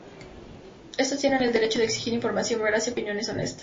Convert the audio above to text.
Estos tienen el derecho de exigir información veraz y opiniones honestas.